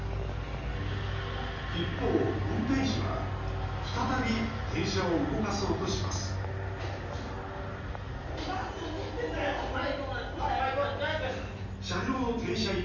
一方、運転士は再び電車を動かそうとします前、行こう！